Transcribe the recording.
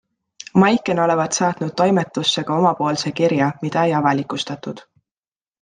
Maiken olevat saatnud toimetusse ka omapoolse kirja, mida ei avalikustatud.